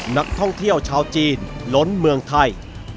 นักท่องเที่ยวชาวจีนล้นเมืองไทย